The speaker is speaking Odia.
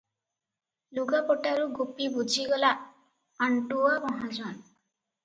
ଲୁଗାପଟାରୁ ଗୋପୀ ବୁଝିଗଲା ଆଣ୍ଟୁଆ ମହାଜନ ।